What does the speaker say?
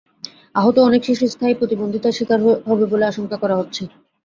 আহত অনেক শিশু স্থায়ী প্রতিবন্ধিতার শিকার হবে বলে আশঙ্কা করা হচ্ছে।